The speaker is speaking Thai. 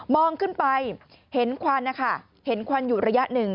ขึ้นไปเห็นควันนะคะเห็นควันอยู่ระยะหนึ่ง